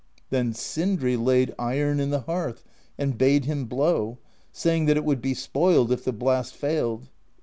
Then Sindri laid iron in the hearth and bade him blow, saying that it would be spoiled if the blast failed.